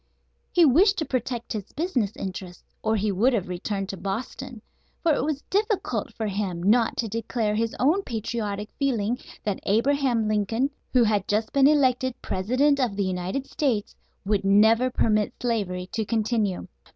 He wished to protect his business interests, or he would have returned to Boston; for it was difficult for him not to declare his own patriotic feeling that Abraham Lincoln, who had just been elected President of the United States, would never permit slavery to continue.